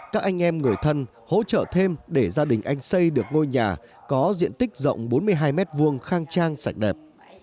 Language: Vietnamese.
các anh em người thân hỗ trợ thêm để gia đình anh xây được ngôi nhà có diện tích rộng bốn mươi hai m hai khang trang sạch đẹp